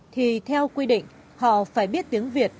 thì theo quy định họ phải biết tiếng việt